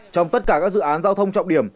trong tất cả các dự án giao thông trọng điểm